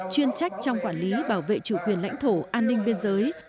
chuyên trách trong quản lý bảo vệ chủ quyền lãnh thổ an ninh biên giới